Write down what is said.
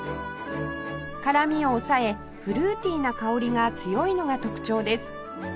辛みを抑えフルーティーな香りが強いのが特徴です